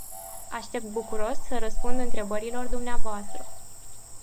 Aștept bucuros să răspund întrebărilor dvs.